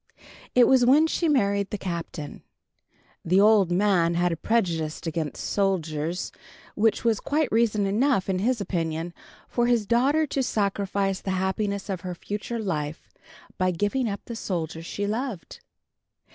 It was when she married the Captain. The old man had a prejudice against soldiers, which was quite reason enough, in his opinion, for his daughter to sacrifice the happiness of her future life by giving up the soldier she loved.